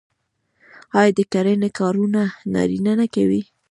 آیا د کرنې کارونه نارینه نه کوي؟